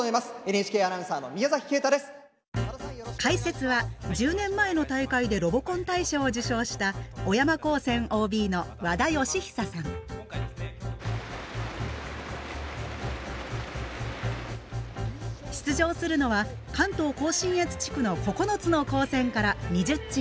解説は１０年前の大会でロボコン大賞を受賞した出場するのは関東甲信越地区の９つの高専から２０チーム。